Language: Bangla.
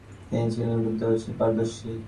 তিনি ছিলেন ব্যুৎপন্ন ও পারদর্শী।